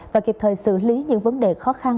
và kịp thời xử lý những vấn đề khó khăn